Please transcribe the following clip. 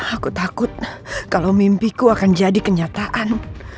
aku takut kalau mimpiku akan jadi kenyataan